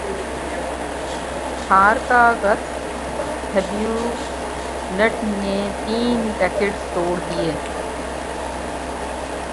ہارکاغصہبیئونٹ نے تین ریکٹس توڑ دیئے